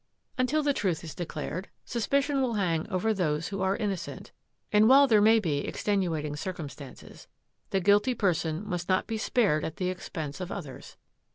Until the truth is declared sus picion will hang over those who are innocent, and while there may be extenuating circumstances, the guilty person must not be spared at the expense of others.